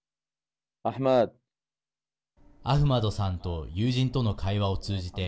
アフマドさんと友人との会話を通じて